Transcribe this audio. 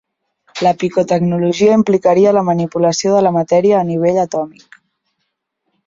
La picotecnologia implicaria la manipulació de la matèria a nivell atòmic.